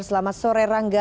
selamat sore rangga